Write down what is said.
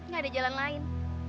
ga ada jalan lain